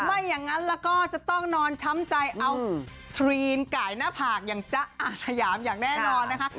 ไม่อย่างนั้นแล้วก็จะต้องนอนช้ำใจเอาทรีนไก่หน้าผากอย่างจ๊ะอาสยามอย่างแน่นอนนะคะ